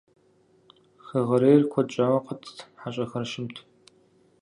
Хэгъэрейр куэд щӀауэ къэтт, хьэщӏэхэр щымт.